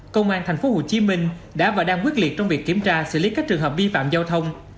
công an tp hcm đã và đang quyết liệt trong việc kiểm tra xử lý các trường hợp vi phạm giao thông